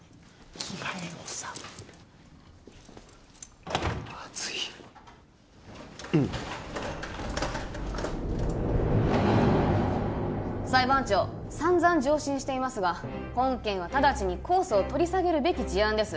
着替えをさ裁判長散々上申していますが本件は直ちに公訴を取り下げるべき事案です